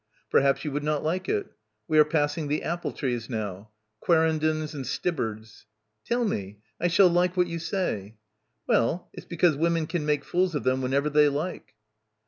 "Perhaps you would not like it. We are pass ing the apple trees now; quarendens and stib bards." "Tell me. I shall like what you say." "Well, it's because women can make fools of them whenever they like."